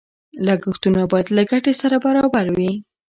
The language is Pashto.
لګښتونه باید له ګټې سره برابر وي.